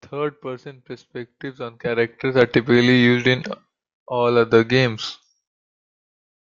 Third-person perspectives on characters are typically used in all other games.